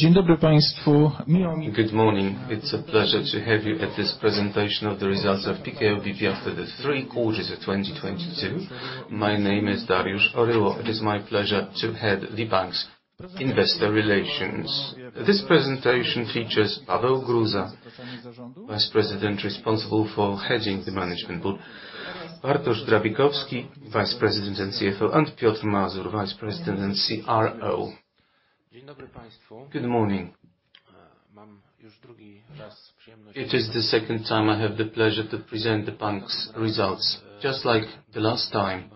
Good morning. It's a pleasure to have you at this presentation of the results of PKO BP after the three quarters of 2022. My name is Dariusz Choryło. It is my pleasure to head the bank's investor relations. This presentation features Paweł Gruza, Vice President responsible for heading the management board. Bartosz Drabikowski, Vice President and CFO, and Piotr Mazur, Vice President and CRO. Good morning. It is the second time I have the pleasure to present the bank's results. Just like the last time,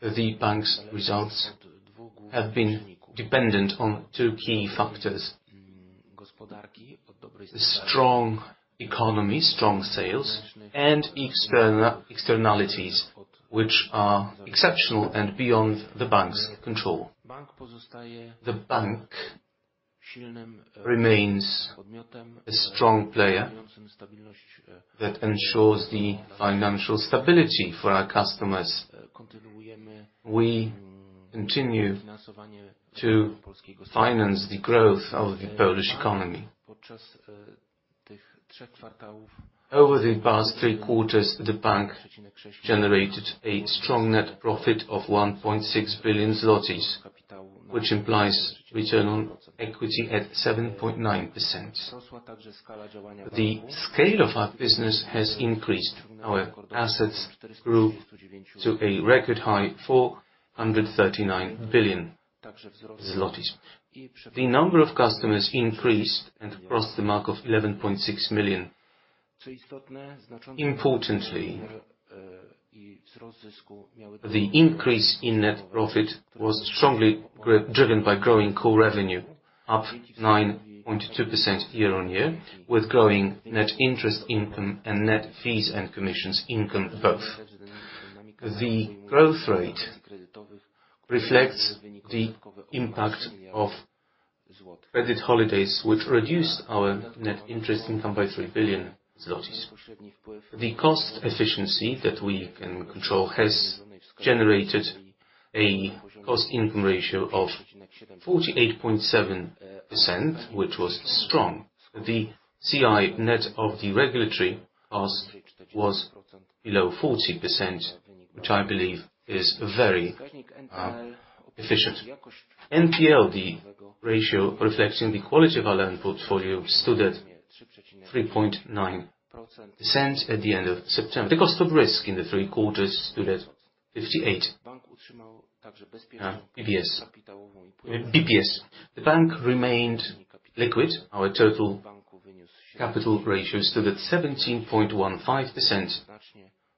the bank's results have been dependent on two key factors. The strong economy, strong sales and externalities which are exceptional and beyond the bank's control. The bank remains a strong player that ensures the financial stability for our customers. We continue to finance the growth of the Polish economy. Over the past three quarters, the bank generated a strong net profit of 1.6 billion zlotys, which implies return on equity at 7.9%. The scale of our business has increased. Our assets grew to a record high, 439 billion zlotys. The number of customers increased and crossed the mark of 11.6 million. Importantly, the increase in net profit was strongly driven by growing core revenue up 9.2% year-on-year, with growing net interest income and net fees and commissions income both. The growth rate reflects the impact of credit holidays, which reduced our net interest income by 3 billion zlotys. The cost efficiency that we can control has generated a cost income ratio of 48.7%, which was strong. The CI net of the regulatory cost was below 40%, which I believe is very efficient. NPL, the ratio reflecting the quality of our loan portfolio stood at 3.9% at the end of September. The cost of risk in the three quarters stood at 58 basis points. The bank remained liquid. Our total capital ratio stood at 17.15%,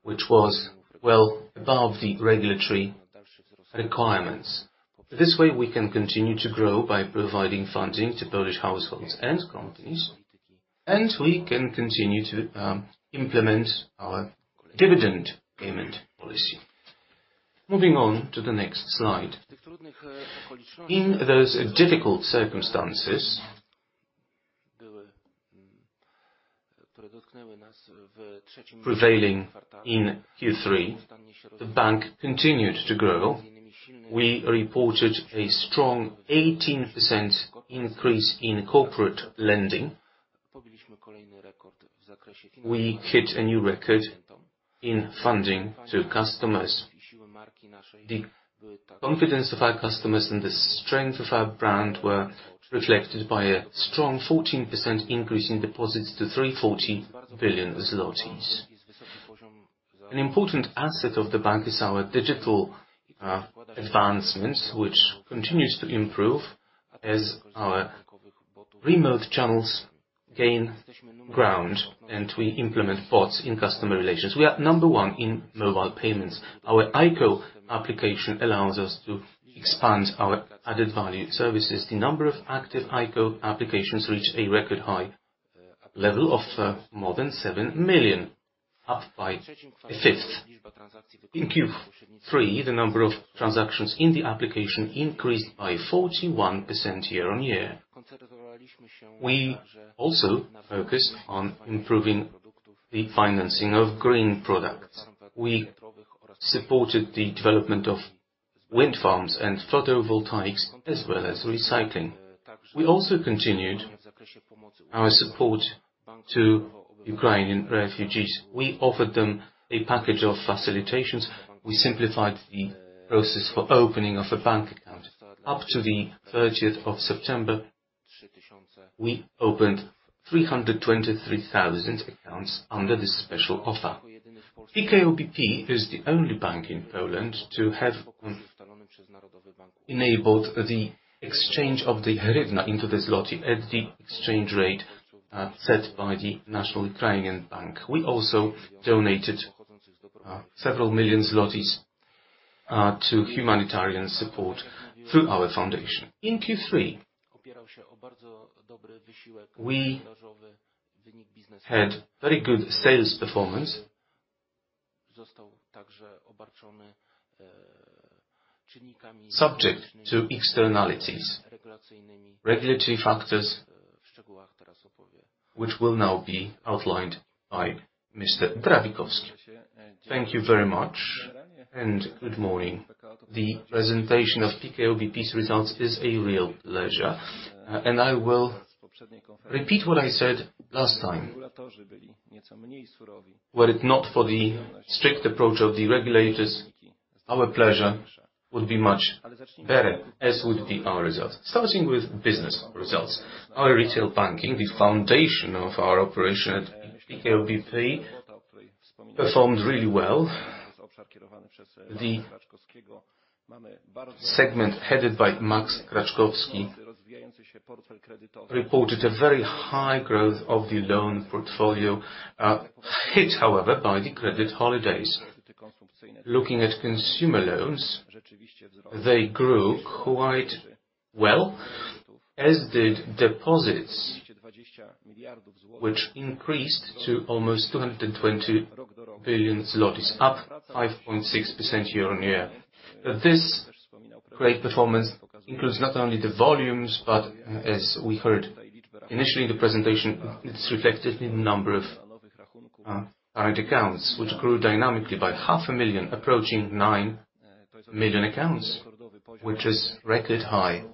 which was well above the regulatory requirements. This way we can continue to grow by providing funding to Polish households and companies, and we can continue to implement our dividend payment policy. Moving on to the next slide. In those difficult circumstances prevailing in Q3, the bank continued to grow. We reported a strong 18% increase in corporate lending. We hit a new record in funding to customers. The confidence of our customers and the strength of our brand were reflected by a strong 14% increase in deposits to 340 billion zlotys. An important asset of the bank is our digital advancements, which continues to improve as our remote channels gain ground and we implement bots in customer relations. We are number one in mobile payments. Our IKO application allows us to expand our added value services. The number of active IKO applications reach a record high level of more than 7 million, up by a fifth. In Q3, the number of transactions in the application increased by 41% year-on-year. We also focused on improving the financing of green products. We supported the development of wind farms and photovoltaics as well as recycling. We also continued our support to Ukrainian refugees. We offered them a package of facilitations. We simplified the process for opening of a bank account. Up to the 13th of September, we opened 323,000 accounts under this special offer. PKO BP is the only bank in Poland to have enabled the exchange of the hryvnia into the zloty at the exchange rate set by the National Bank of Ukraine. We also donated PLN several million to humanitarian support through our foundation. In Q3 we had very good sales performance subject to externalities, regulatory factors which will now be outlined by Mr. Drabikowski. Thank you very much and good morning. The presentation of PKO BP's results is a real pleasure. I will repeat what I said last time. Were it not for the strict approach of the regulators, our pleasure would be much better, as would be our results. Starting with business results. Our retail banking, the foundation of our operation at PKO BP, performed really well. The segment headed by Maks Kraczkowski reported a very high growth of the loan portfolio, hit, however, by the credit holidays. Looking at consumer loans, they grew quite well, as did deposits, which increased to almost 220 billion zlotys, up 5.6% year-on-year. This great performance includes not only the volumes, but as we heard initially in the presentation, it's reflected in the number of current accounts, which grew dynamically by 500,000, approaching 9 million accounts, which is record high.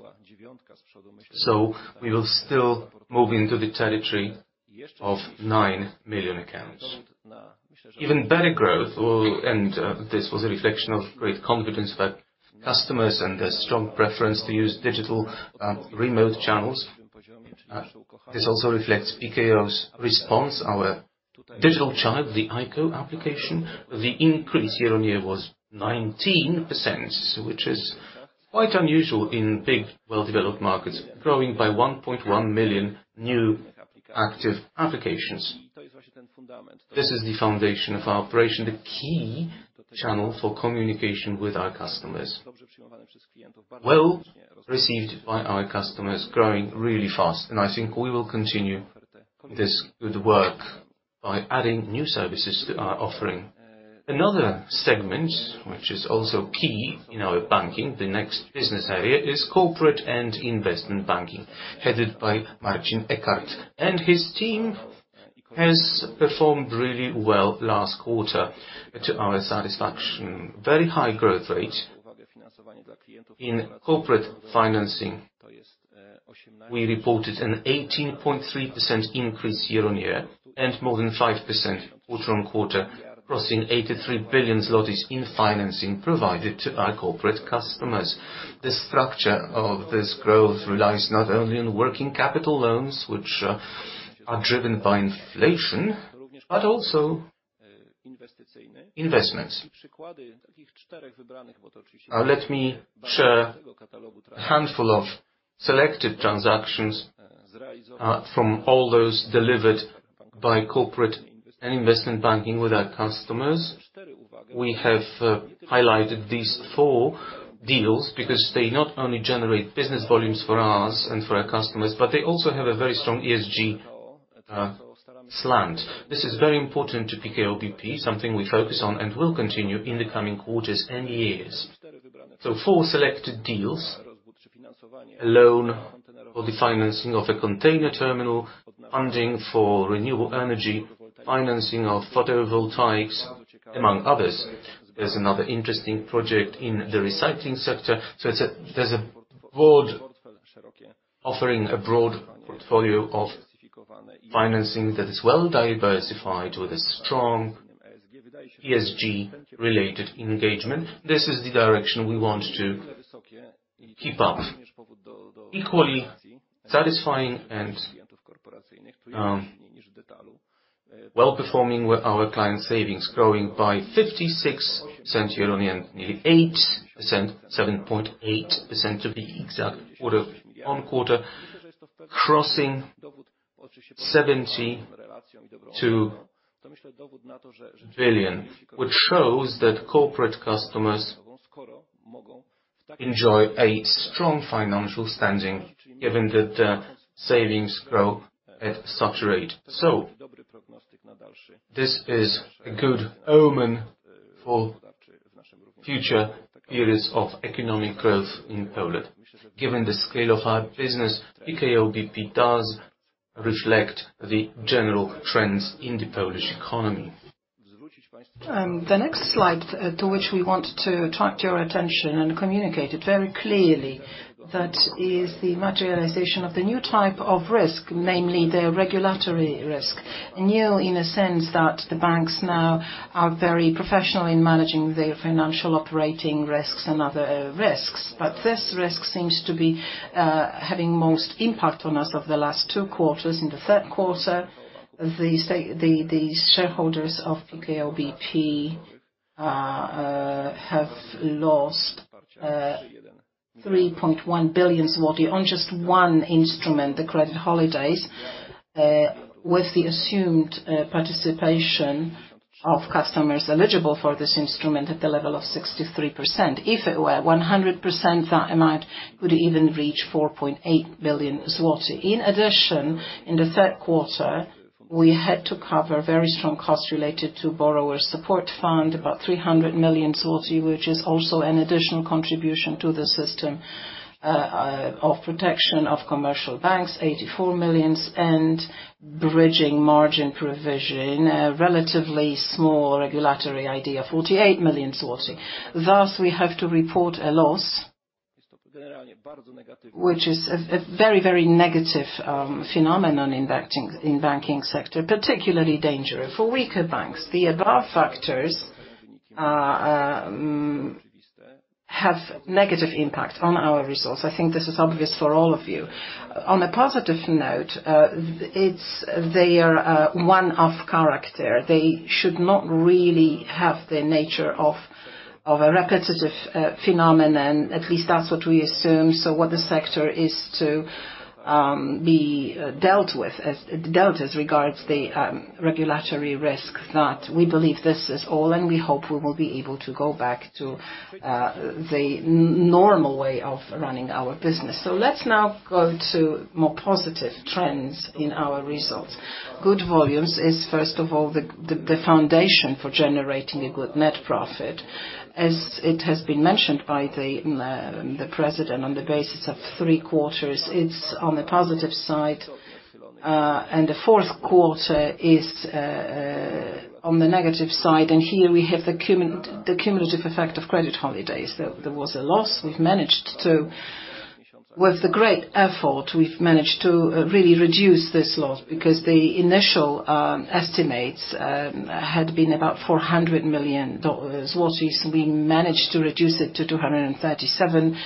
We will still move into the territory of 9 million accounts. This was a reflection of great confidence by customers and their strong preference to use digital remote channels. This also reflects PKO's response, our digital charter, the IKO application. The increase year-on-year was 19%, which is quite unusual in big, well-developed markets, growing by 1.1 million new active applications. This is the foundation of our operation, the key channel for communication with our customers. Well-received by our customers, growing really fast, and I think we will continue this good work by adding new services to our offering. Another segment, which is also key in our banking, the next business area is corporate and investment banking, headed by Marcin Eckert. His team has performed really well last quarter to our satisfaction. Very high growth rate. In corporate financing, we reported an 18.3% increase year-on-year and more than 5% quarter-on-quarter, crossing 83 billion zlotys in financing provided to our corporate customers. The structure of this growth relies not only on working capital loans, which are driven by inflation, but also investments. Let me share a handful of selected transactions from all those delivered by corporate and investment banking with our customers. We have highlighted these four deals because they not only generate business volumes for us and for our customers, but they also have a very strong ESG slant. This is very important to PKO BP, something we focus on and will continue in the coming quarters and years. Four selected deals, a loan for the financing of a container terminal, funding for renewable energy, financing of photovoltaics, among others. There's another interesting project in the recycling sector. There's a broad offering, a broad portfolio of financing that is well-diversified with a strong ESG-related engagement. This is the direction we want to keep up. Equally satisfying and well-performing were our client savings, growing by 56% year-on-year, nearly 8%, 7.8% to be exact quarter-on-quarter, crossing 72 billion, which shows that corporate customers enjoy a strong financial standing given that their savings grow at such a rate. This is a good omen for future periods of economic growth in Poland. Given the scale of our business, PKO BP does reflect the general trends in the Polish economy. The next slide to which we want to attract your attention and communicate it very clearly, that is the materialization of the new type of risk, namely the regulatory risk. New in a sense that the banks now are very professional in managing their financial operating risks and other risks. This risk seems to be having most impact on us over the last two quarters. In the third quarter, the shareholders of PKO BP have lost 3.1 billion zloty on just one instrument, the credit holidays, with the assumed participation of customers eligible for this instrument at the level of 63%. If it were 100%, that amount could even reach 4.8 billion zloty. In addition, in the third quarter. We had to cover very strong costs related to Borrower Support Fund, about 300 million zloty, which is also an additional contribution to the Institutional Protection Scheme, 84 million, and bridging margin provision, a relatively small regulatory idea, 48 million. Thus, we have to report a loss, which is a very negative phenomenon in banking sector, particularly dangerous for weaker banks. The above factors have negative impact on our results. I think this is obvious for all of you. On a positive note, they are one-off character. They should not really have the nature of a repetitive phenomenon, at least that's what we assume. What the sector is to be dealt with as regards the regulatory risk, that we believe this is all, and we hope we will be able to go back to the normal way of running our business. Let's now go to more positive trends in our results. Good volumes is, first of all, the foundation for generating a good net profit. As it has been mentioned by the president on the basis of three quarters, it's on the positive side, and the fourth quarter is on the negative side. Here we have the cumulative effect of credit holidays. There was a loss. With the great effort, we've managed to really reduce this loss because the initial estimates had been about 400 million zloty. We managed to reduce it to 237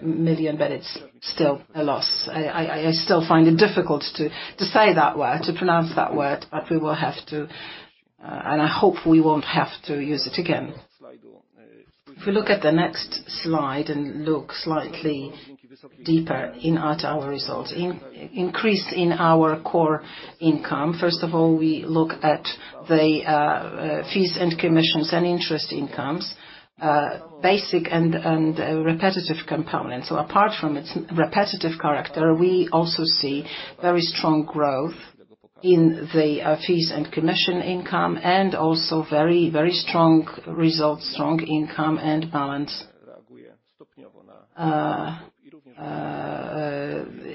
million, but it's still a loss. I still find it difficult to say that word, to pronounce that word, but we will have to, and I hope we won't have to use it again. If we look at the next slide and look slightly deeper at our results. Increase in our core income, first of all, we look at the fees and commissions and interest incomes, basic and repetitive components. Apart from its repetitive character, we also see very strong growth in the fees and commission income and also very strong results, strong income and balance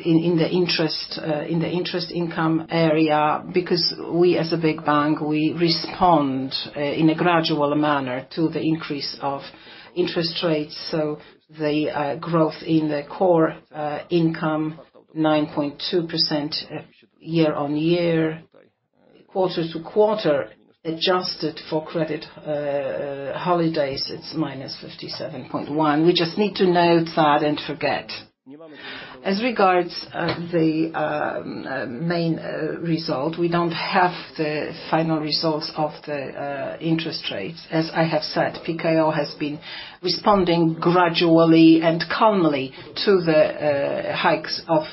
in the interest income area, because we as a big bank, we respond in a gradual manner to the increase of interest rates. The growth in the core income, 9.2% year-on-year. Quarter-to-quarter, adjusted for credit holidays, it's -57.1%. We just need to note that and forget. As regards the main result, we don't have the final results of the interest rates. As I have said, PKO has been responding gradually and calmly to the hikes of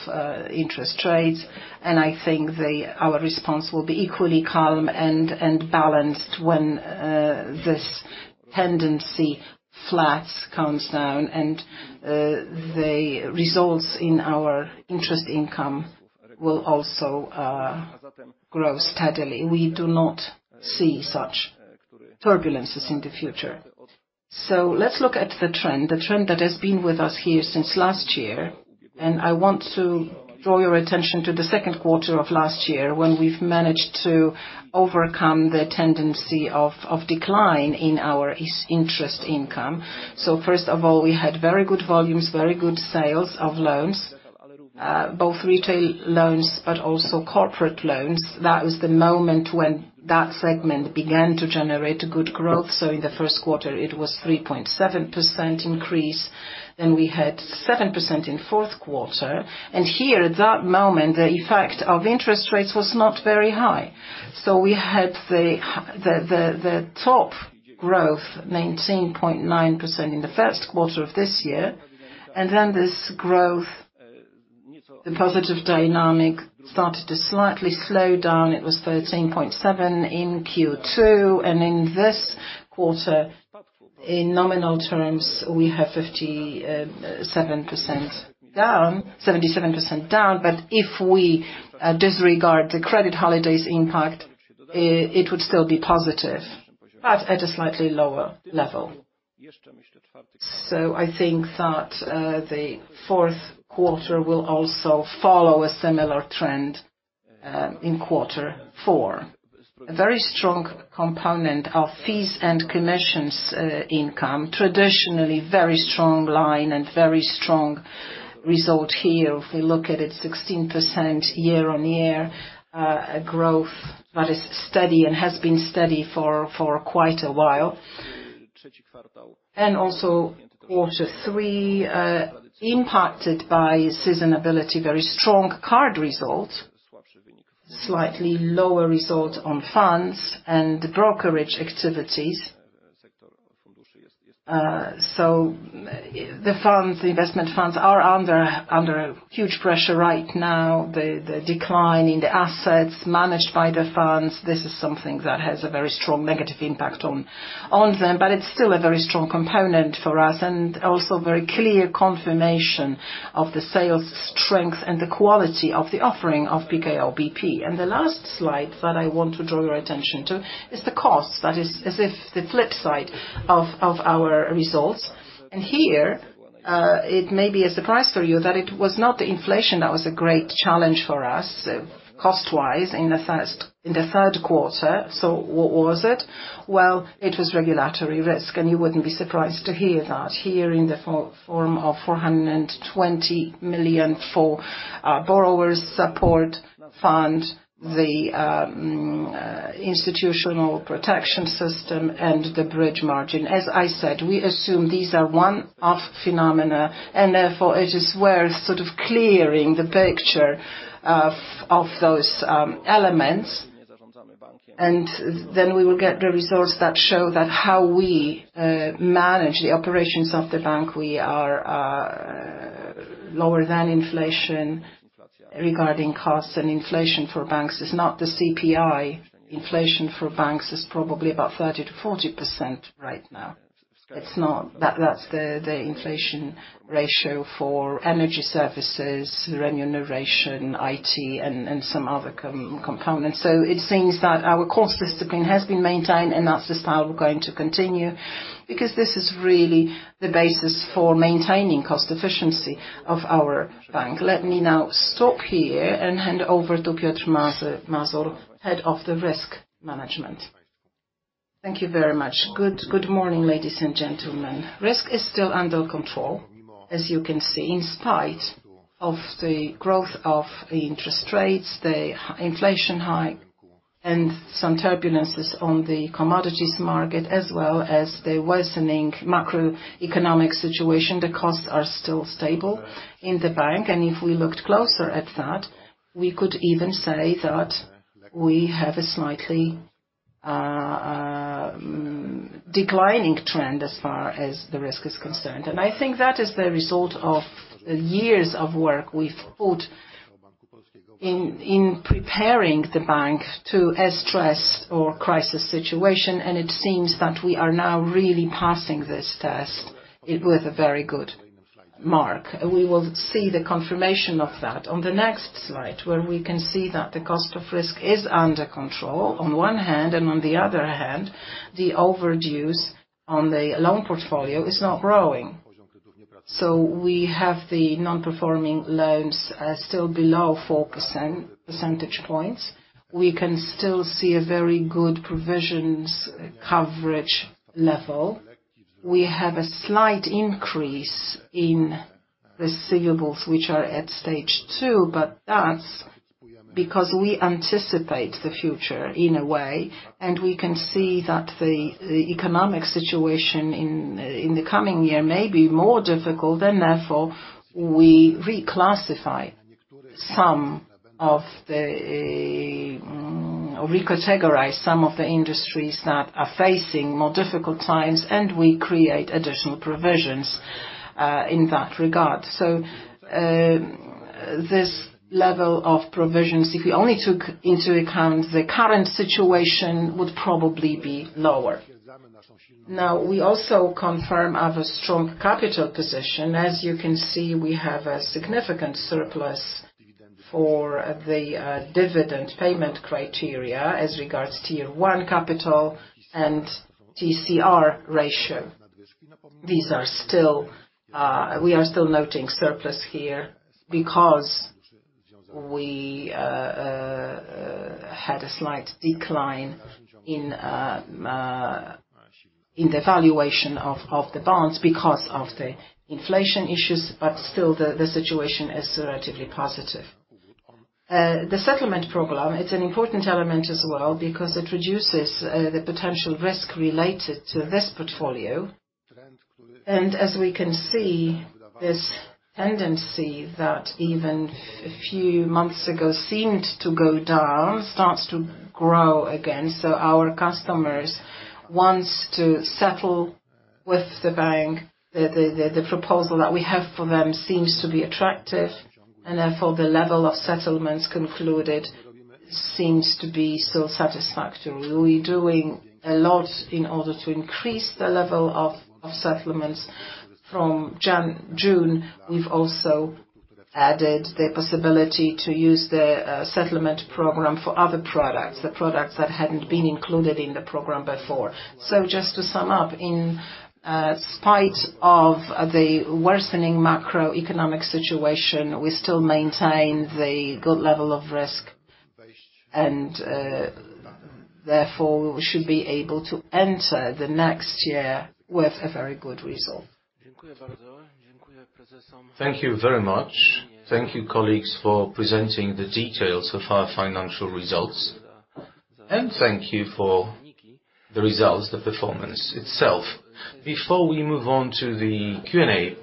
interest rates, and I think our response will be equally calm and balanced when this tendency flattens, calms down and the results in our interest income will also grow steadily. We do not see such turbulences in the future. Let's look at the trend, the trend that has been with us here since last year. I want to draw your attention to the second quarter of last year when we've managed to overcome the tendency of decline in our interest income. First of all, we had very good volumes, very good sales of loans, both retail loans, but also corporate loans. That was the moment when that segment began to generate a good growth. In the first quarter, it was 3.7% increase. We had 7% in fourth quarter. Here, at that moment, the effect of interest rates was not very high. We had the top growth maintain 0.9% in the first quarter of this year, and then this growth, the positive dynamic, started to slightly slow down. It was 13.7 in Q2, and in this quarter, in nominal terms, we have 77% down. But if we disregard the credit holidays impact, it would still be positive, but at a slightly lower level. I think that the fourth quarter will also follow a similar trend in quarter four. A very strong component of fees and commissions income, traditionally very strong line and very strong result here. If we look at it, 16% year-on-year growth that is steady and has been steady for quite a while. Also quarter three impacted by seasonality, very strong card results, slightly lower results on funds and brokerage activities. The funds, investment funds are under huge pressure right now. The decline in the assets managed by the funds, this is something that has a very strong negative impact on them. It's still a very strong component for us and also very clear confirmation of the sales strength and the quality of the offering of PKO BP. The last slide that I want to draw your attention to is the cost. That is as if the flip side of our results. Here, it may be a surprise for you that it was not the inflation that was a great challenge for us, cost-wise in the third quarter. What was it? Well, it was regulatory risk, and you wouldn't be surprised to hear that here in the form of 420 million for our Borrower Support Fund, the Institutional Protection Scheme and the bridging margin provision. As I said, we assume these are one-off phenomena and therefore it is worth sort of clearing the picture of those elements. Then we will get the results that show that how we manage the operations of the bank. We are lower than inflation regarding costs and inflation for banks. It's not the CPI. Inflation for banks is probably about 30%-40% right now. It's not. That's the inflation ratio for energy services, remuneration, IT and some other components. It seems that our cost discipline has been maintained, and that's the style we're going to continue because this is really the basis for maintaining cost efficiency of our bank. Let me now stop here and hand over to Piotr Mazur, Head of Risk Management. Thank you very much. Good morning, ladies and gentlemen. Risk is still under control, as you can see, in spite of the growth of the interest rates, the inflation hike and some turbulences on the commodities market as well as the worsening macroeconomic situation. The costs are still stable in the bank. If we looked closer at that, we could even say that we have a slightly declining trend as far as the risk is concerned. I think that is the result of years of work we've put in preparing the bank to a stress or crisis situation, and it seems that we are now really passing this test with a very good mark. We will see the confirmation of that on the next slide, where we can see that the cost of risk is under control on one hand and on the other hand, the overdues on the loan portfolio is not growing. We have the non-performing loans still below 4 percentage points. We can still see a very good provisions coverage level. We have a slight increase in receivables, which are at Stage 2, but that's because we anticipate the future in a way, and we can see that the economic situation in the coming year may be more difficult and therefore we reclassify or recategorize some of the industries that are facing more difficult times, and we create additional provisions in that regard. This level of provisions, if we only took into account the current situation, would probably be lower. Now, we also confirm our strong capital position. As you can see, we have a significant surplus for the dividend payment criteria as regards Tier 1 capital and TCR ratio. We are still noting surplus here because we had a slight decline in the valuation of the bonds because of the inflation issues, but still the situation is relatively positive. The settlement program, it's an important element as well because it reduces the potential risk related to this portfolio. As we can see, this tendency that even a few months ago seemed to go down starts to grow again. Our customers wants to settle with the bank. The proposal that we have for them seems to be attractive and therefore the level of settlements concluded seems to be still satisfactory. We're doing a lot in order to increase the level of settlements. From Jan-June, we've also added the possibility to use the settlement program for other products, the products that hadn't been included in the program before. Just to sum up, in spite of the worsening macroeconomic situation, we still maintain the good level of risk and therefore we should be able to enter the next year with a very good result. Thank you very much. Thank you, colleagues, for presenting the details of our financial results, and thank you for the results, the performance itself. Before we move on to the Q&A.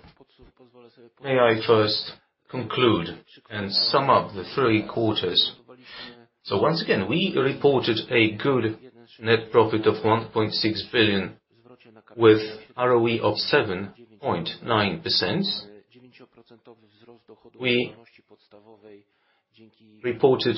May I first conclude and sum up the three quarters. Once again, we reported a good net profit of 1.6 billion with ROE of 7.9%. We reported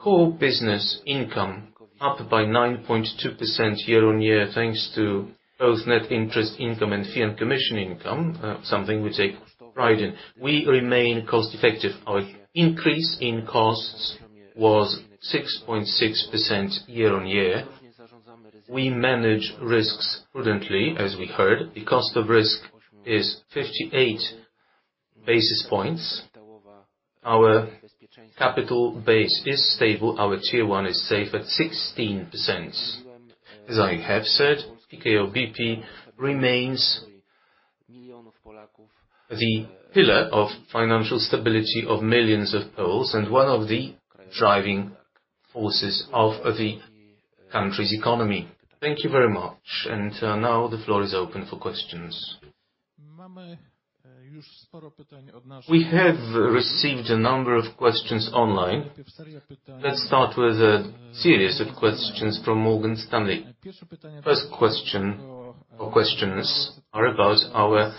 core business income up by 9.2% year-on-year, thanks to both net interest income and fee and commission income, something we take pride in. We remain cost effective. Our increase in costs was 6.6% year-on-year. We manage risks prudently, as we heard. The cost of risk is 58 basis points. Our capital base is stable. Our Tier 1 is safe at 16%. As I have said, PKO BP remains the pillar of financial stability of millions of Poles and one of the driving forces of the country's economy. Thank you very much. Now the floor is open for questions. We have received a number of questions online. Let's start with a series of questions from Morgan Stanley. First question or questions are about our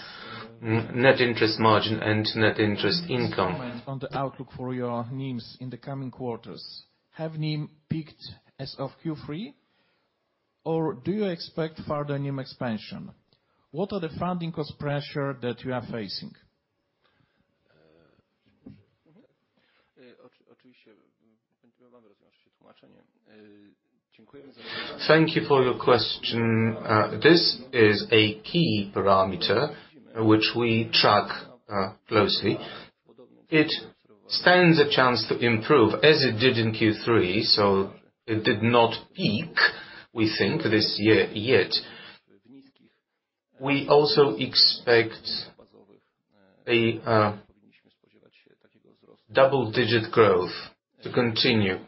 net interest margin and net interest income. Comment on the outlook for your NIMs in the coming quarters. Have NIM peaked as of Q3, or do you expect further NIM expansion? What are the funding cost pressure that you are facing? Thank you for your question. This is a key parameter which we track closely. It stands a chance to improve as it did in Q3, so it did not peak, we think, this year yet. We also expect double-digit growth to continue,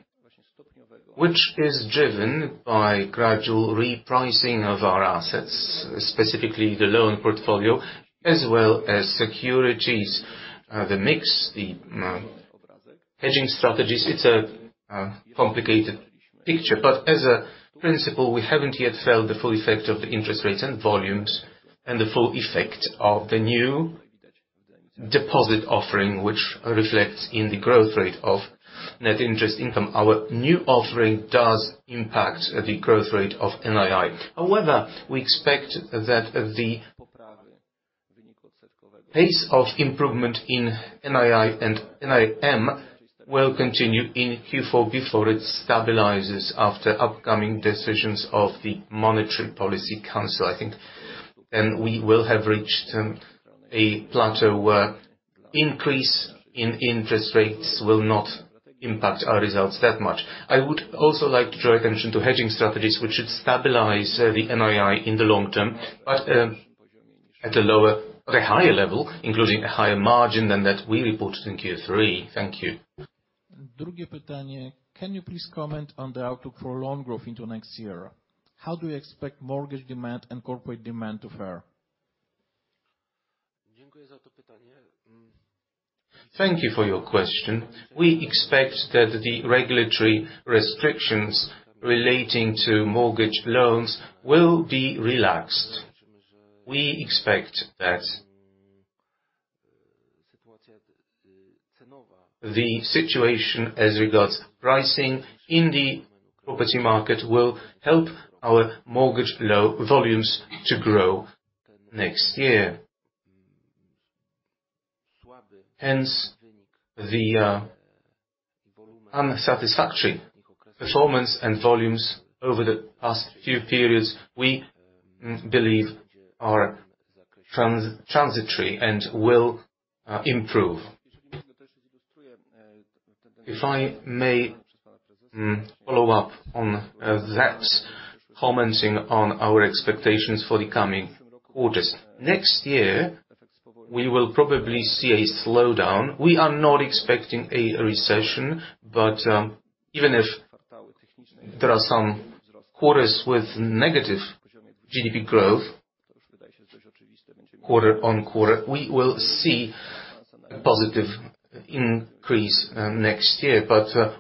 which is driven by gradual repricing of our assets, specifically the loan portfolio, as well as securities, the mix, the hedging strategies. It's a complicated picture, but in principle, we haven't yet felt the full effect of the interest rates and volumes and the full effect of the new deposit offering, which reflects in the growth rate of net interest income. Our new offering does impact the growth rate of NII. However, we expect that the pace of improvement in NII and NIM will continue in Q4 before it stabilizes after upcoming decisions of the Monetary Policy Council, I think. We will have reached a plateau where increase in interest rates will not impact our results that much. I would also like to draw attention to hedging strategies, which should stabilize the NII in the long term, but at a lower or a higher level, including a higher margin than that we reported in Q3. Thank you. Can you please comment on the outlook for loan growth into next year? How do you expect mortgage demand and corporate demand to fare? Thank you for your question. We expect that the regulatory restrictions relating to mortgage loans will be relaxed. We expect that the situation as regards pricing in the property market will help our mortgage volumes to grow next year. Hence, the unsatisfactory performance and volumes over the past few periods, we believe are transitory and will improve. If I may follow up on that, commenting on our expectations for the coming quarters. Next year, we will probably see a slowdown. We are not expecting a recession, but even if there are some quarters with negative GDP growth quarter-on-quarter, we will see positive increase next year.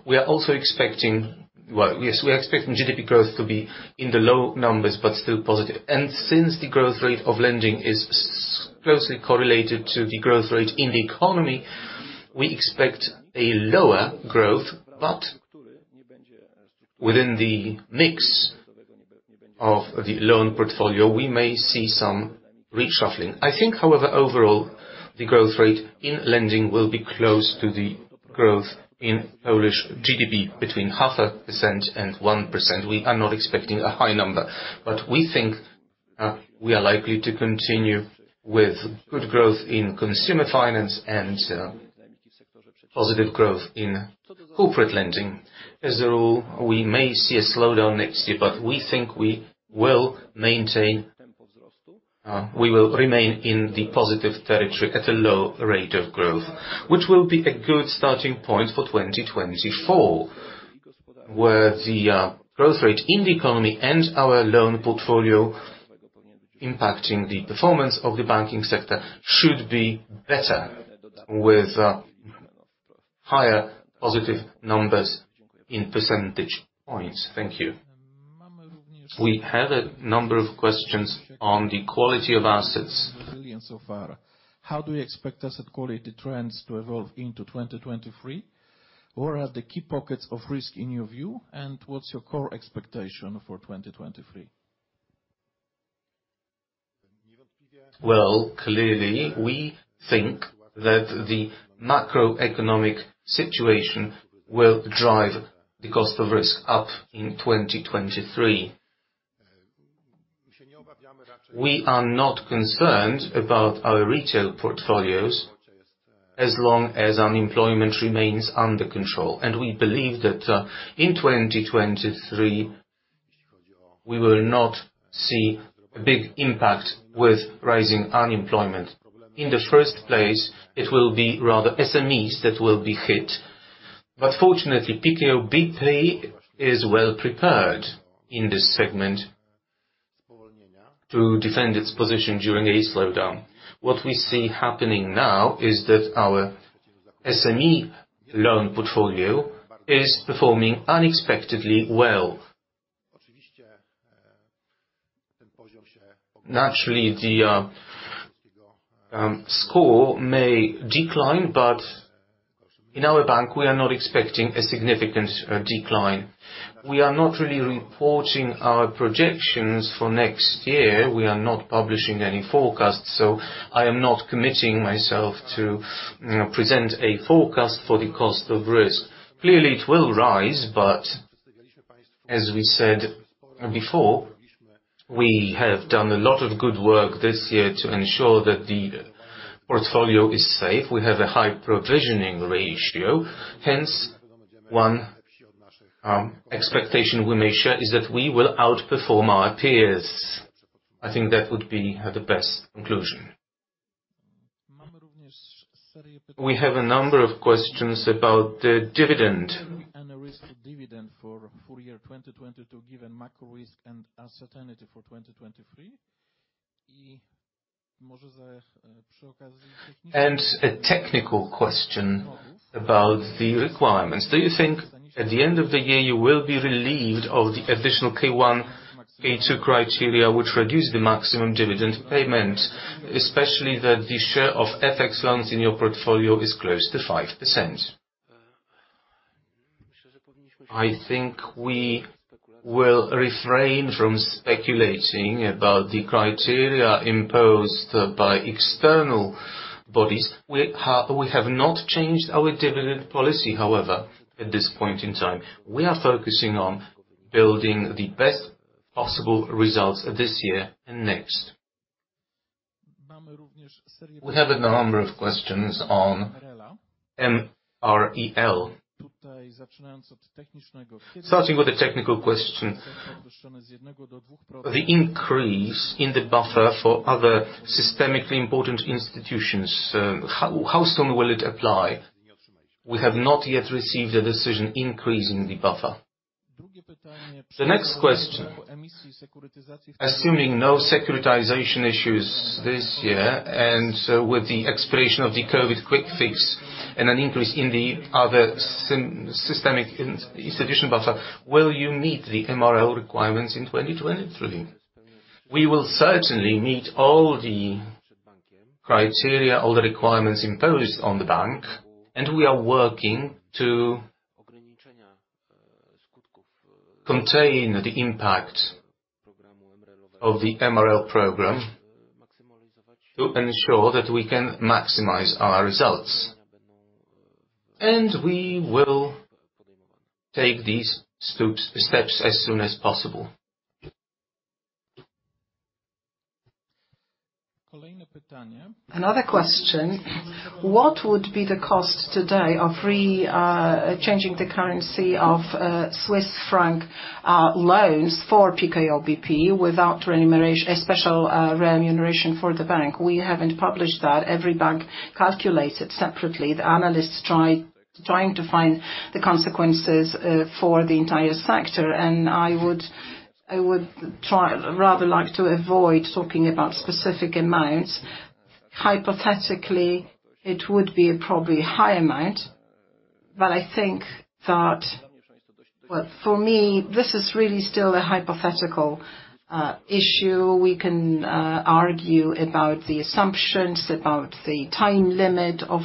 We are also expecting. Well, yes, we are expecting GDP growth to be in the low numbers, but still positive. Since the growth rate of lending is closely correlated to the growth rate in the economy, we expect a lower growth. But within the mix of the loan portfolio, we may see some reshuffling. I think, however, overall, the growth rate in lending will be close to the growth in Polish GDP, between 0.5% and 1%. We are not expecting a high number, but we think we are likely to continue with good growth in consumer finance and positive growth in corporate lending. As a rule, we may see a slowdown next year, but we think we will remain in the positive territory at a low rate of growth, which will be a good starting point for 2024, where the growth rate in the economy and our loan portfolio impacting the performance of the banking sector should be better with higher positive numbers in percentage points. Thank you. We have a number of questions on the quality of assets. So far, how do we expect asset quality trends to evolve into 2023? Where are the key pockets of risk in your view, and what's your core expectation for 2023? Well, clearly, we think that the macroeconomic situation will drive the cost of risk up in 2023. We are not concerned about our retail portfolios as long as unemployment remains under control, and we believe that in 2023, we will not see a big impact with rising unemployment. In the first place, it will be rather SMEs that will be hit. Fortunately, PKO BP is well-prepared in this segment to defend its position during a slowdown. What we see happening now is that our SME loan portfolio is performing unexpectedly well. Naturally, the score may decline, but in our bank, we are not expecting a significant decline. We are not really reporting our projections for next year. We are not publishing any forecasts, so I am not committing myself to, you know, present a forecast for the cost of risk. Clearly, it will rise, but as we said before, we have done a lot of good work this year to ensure that the portfolio is safe. We have a high provisioning ratio. Hence, one expectation we make sure is that we will outperform our peers. I think that would be the best conclusion. We have a number of questions about the dividend. A risk dividend for full year 2022 given macro risk and uncertainty for 2023. A technical question about the requirements. Do you think at the end of the year you will be relieved of the additional K-1, K-2 criteria which reduce the maximum dividend payment, especially that the share of FX loans in your portfolio is close to 5%? I think we will refrain from speculating about the criteria imposed by external bodies. We have not changed our dividend policy, however, at this point in time. We are focusing on building the best possible results this year and next. We have a number of questions on MREL. Starting with the technical question, the increase in the buffer for other systemically important institutions, how soon will it apply? We have not yet received a decision increasing the buffer. The next question, assuming no securitization issues this year and with the expiration of the COVID quick fix and an increase in the other systemically important institution buffer, will you meet the MREL requirements in 2023? We will certainly meet all the criteria or the requirements imposed on the bank, and we are working to contain the impact of the MREL program to ensure that we can maximize our results, and we will take these steps as soon as possible. Another question, what would be the cost today of changing the currency of Swiss franc loans for PKO BP without remuneration, a special remuneration for the bank? We haven't published that. Every bank calculates it separately. The analysts trying to find the consequences for the entire sector, and I would try rather like to avoid talking about specific amounts. Hypothetically, it would be a probably high amount, but I think that for me, this is really still a hypothetical issue. We can argue about the assumptions, about the time limit of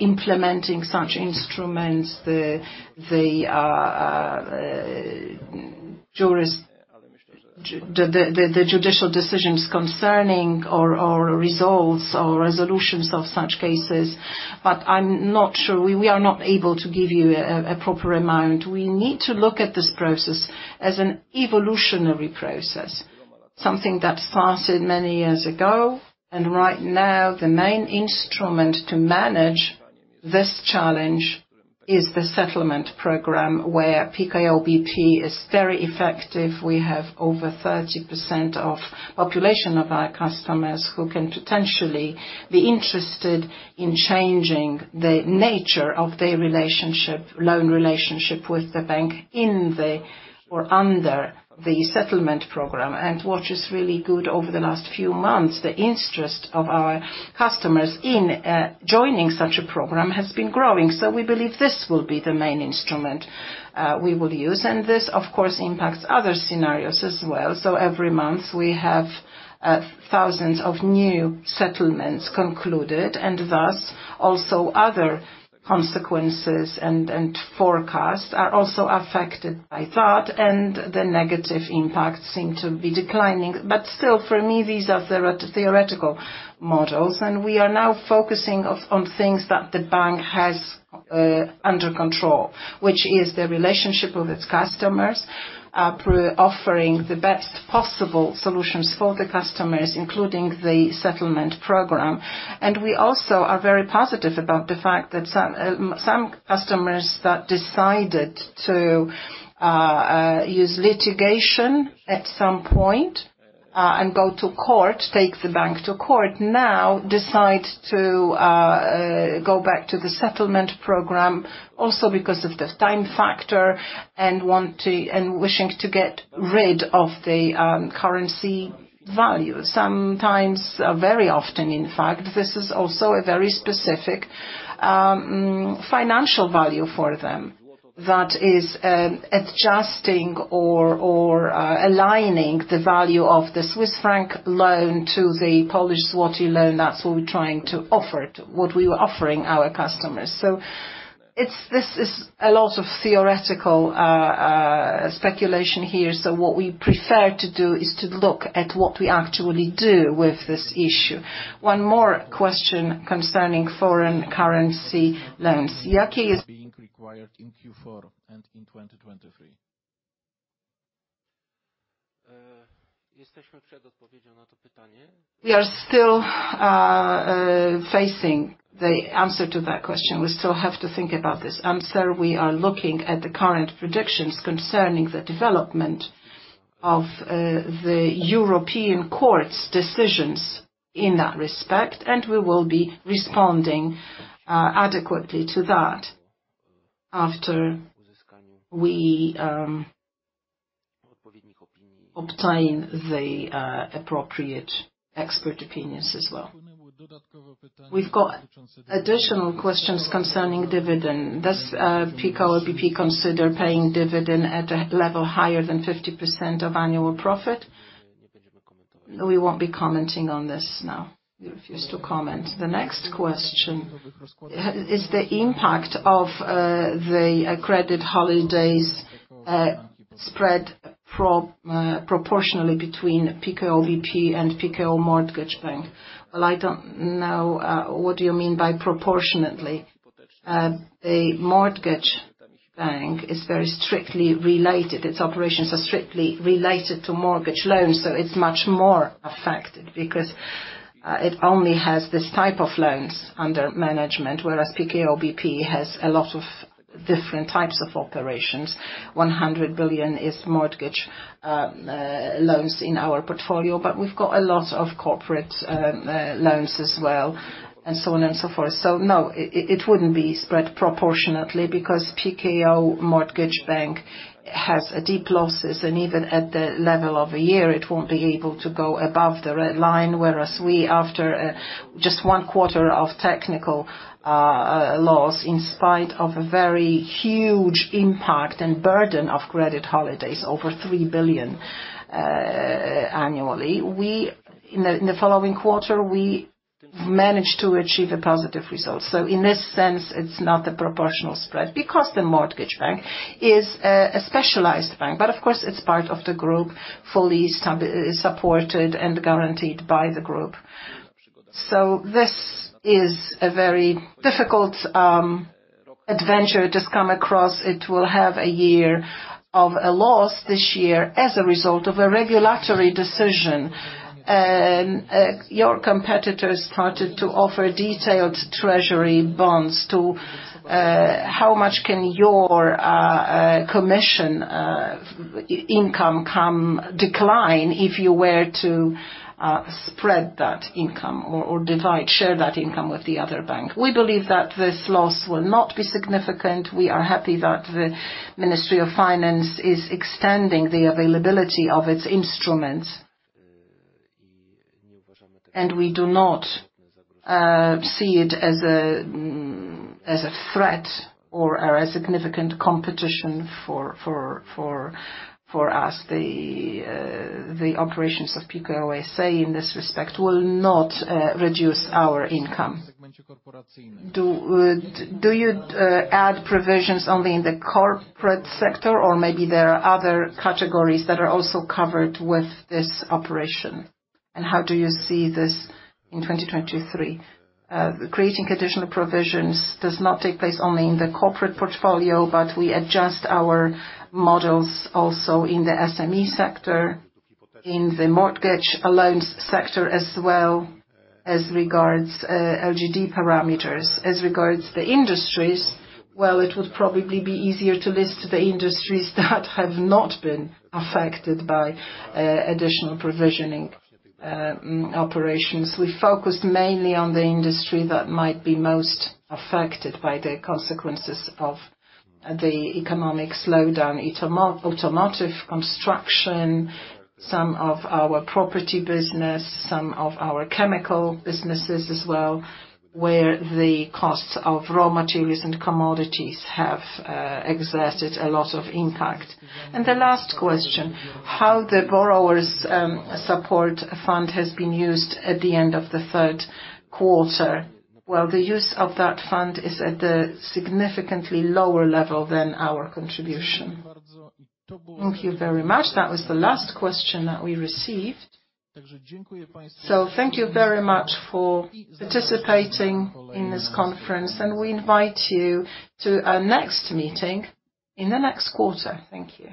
implementing such instruments. The judicial decisions concerning or results or resolutions of such cases, but I'm not sure. We are not able to give you a proper amount. We need to look at this process as an evolutionary process, something that started many years ago, and right now the main instrument to manage this challenge is the settlement program where PKO BP is very effective. We have over 30% of population of our customers who can potentially be interested in changing the nature of their relationship, loan relationship with the bank in the or under the settlement program. What is really good, over the last few months, the interest of our customers in joining such a program has been growing. We believe this will be the main instrument we will use. This of course impacts other scenarios as well. Every month, we have thousands of new settlements concluded. Thus, also other consequences and forecasts are also affected by that, and the negative impact seem to be declining. Still, for me, these are theoretical models. We are now focusing on things that the bank has under control, which is the relationship with its customers through offering the best possible solutions for the customers, including the settlement program. We also are very positive about the fact that some customers that decided to use litigation at some point and go to court, take the bank to court, now decide to go back to the settlement program also because of this time factor and want to and wishing to get rid of the currency value. Sometimes, very often in fact, this is also a very specific financial value for them that is adjusting or aligning the value of the Swiss franc loan to the Polish zloty loan. That's what we're trying to offer what we were offering our customers. This is a lot of theoretical speculation here. What we prefer to do is to look at what we actually do with this issue. One more question concerning foreign currency loans, is being required in Q4 and in 2023. We are still facing the answer to that question. We still have to think about this answer. We are looking at the current predictions concerning the development of the European court's decisions in that respect, and we will be responding adequately to that after we obtain the appropriate expert opinions as well. We've got additional questions concerning dividend. Does PKO BP consider paying dividend at a level higher than 50% of annual profit? We won't be commenting on this now. We refuse to comment. The next question. Is the impact of the credit holidays spread proportionally between PKO BP and PKO Mortgage Bank? Well, I don't know what you mean by proportionately. The Mortgage Bank is very strictly related. Its operations are strictly related to mortgage loans. It's much more affected because it only has this type of loans under management, whereas PKO BP has a lot of different types of operations. 100 billion is mortgage loans in our portfolio, but we've got a lot of corporate loans as well, and so on and so forth. No, it wouldn't be spread proportionately because PKO Bank Hipoteczny has deep losses. Even at the level of a year, it won't be able to go above the red line, whereas we, after just one quarter of technical loss, in spite of a very huge impact and burden of credit holidays over 3 billion annually, we in the following quarter we managed to achieve a positive result. In this sense, it's not a proportional spread because the Mortgage Bank is a specialized bank. Of course, it's part of the group, fully supported and guaranteed by the group. This is a very difficult adventure to come across. It will have a year of a loss this year as a result of a regulatory decision. Your competitors started to offer retail treasury bonds. How much can your commission income decline if you were to spread that income or divide share that income with the other bank? We believe that this loss will not be significant. We are happy that the Ministry of Finance is extending the availability of its instruments. We do not see it as a threat or a significant competition for us. The operations of PKO BP in this respect will not reduce our income. Do you add provisions only in the corporate sector, or maybe there are other categories that are also covered with this operation? How do you see this in 2023? Creating additional provisions does not take place only in the corporate portfolio, but we adjust our models also in the SME sector, in the mortgage loans sector as well as regards LGD parameters. As regards the industries, well, it would probably be easier to list the industries that have not been affected by additional provisioning operations. We focused mainly on the industry that might be most affected by the consequences of the economic slowdown. Automotive construction, some of our property business, some of our chemical businesses as well, where the costs of raw materials and commodities have exerted a lot of impact. The last question, how the Borrower Support Fund has been used at the end of the third quarter. Well, the use of that fund is at a significantly lower level than our contribution. Thank you very much. That was the last question that we received. Thank you very much for participating in this conference, and we invite you to our next meeting in the next quarter. Thank you.